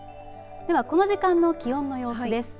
ではこの時間の気温の様子です。